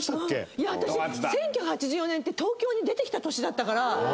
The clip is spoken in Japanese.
いや私１９８４年って東京に出てきた年だったから。